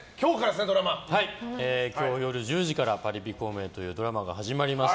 今日夜１０時から「パリピ孔明」というドラマが始まります。